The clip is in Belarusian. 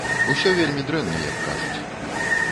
Усё вельмі дрэнна, як кажуць.